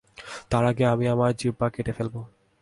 তার আগে আমি আমার জিব্বা কেটে ফেলবো।